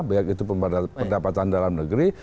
begitu pendapatan dalam negeri